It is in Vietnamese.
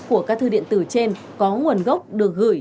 của các thư điện tử trên có nguồn gốc được gửi